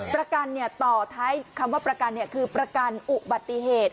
ประกันต่อท้ายคำว่าประกันคือประกันอุบัติเหตุ